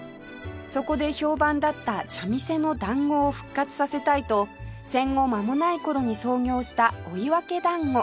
そこで評判だった茶店のだんごを復活させたいと戦後間もない頃に創業した追分だんご